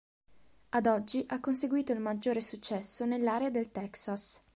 Ad oggi ha conseguito il maggiore successo nell'area del Texas.